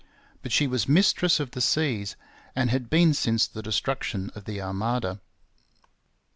But she was mistress of the seas, and had been since the destruction of the Armada.